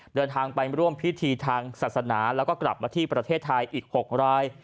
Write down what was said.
เดินทางไปร่วมพิธีทางศาสนาแล้วก็กลับมาที่ประเทศไทยอีก๖ราย